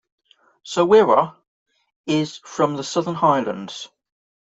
Sir Wiwa is from the Southern Highlands.